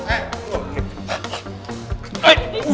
eh kok kena